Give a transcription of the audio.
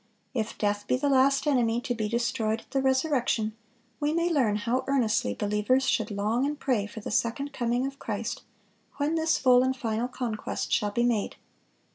"If death be the last enemy to be destroyed at the resurrection, we may learn how earnestly believers should long and pray for the second coming of Christ, when this full and final conquest shall be made."